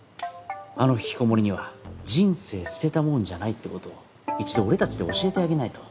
あの引きこもりには人生捨てたもんじゃないってこと一度俺たちで教えてあげないと。